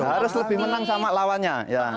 harus lebih menang sama lawannya